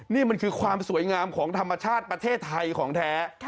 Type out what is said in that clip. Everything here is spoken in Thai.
นี่มันคือความสวยงามของธรรมชาติประเทศไทยของแท้